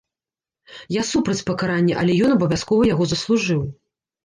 Я супраць пакарання, але ён абавязкова яго заслужыў.